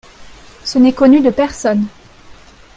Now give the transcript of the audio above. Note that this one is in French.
Ce n'est connu de personne.